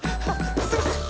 すいません。